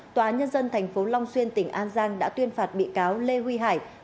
tòa nhân dân thành phố long xuyên tỉnh an giang đã tuyên phạt bị cáo lê huy hải